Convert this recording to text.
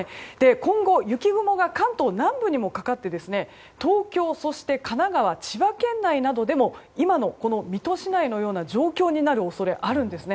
今後、雪雲が関東南部にもかかって東京、そして神奈川、千葉県内などでも今の水戸市内のような状況になる恐れがあるんですね。